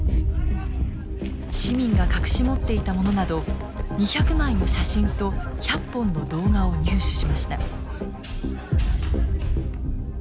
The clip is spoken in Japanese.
市民が隠し持っていたものなど２００枚の写真と１００本の動画を入手しました。